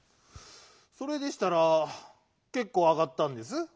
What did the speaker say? それでしたら「けっこうあがった」んです。